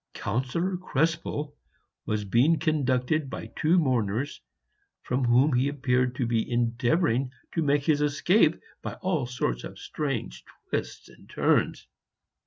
Councillor Krespel was being conducted by two mourners, from whom he appeared to be endeavoring to make his escape by all sorts of strange twists and turns.